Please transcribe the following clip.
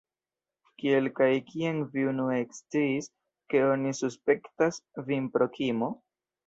Kiel kaj kiam vi unue eksciis, ke oni suspektas vin pro krimo?